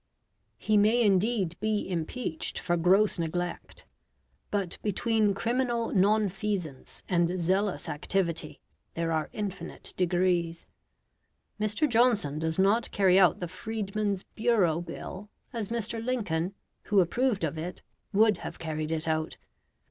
He may indeed be impeached for gross neglect; but between criminal non feasance and zealous activity there are infinite degrees. Mr. Johnson does not carry out the Freedman's Bureau Bill as Mr. Lincoln, who approved of it, would have carried it out.